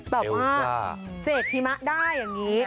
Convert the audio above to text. แบบว่าเสกหิมะได้อย่างนี้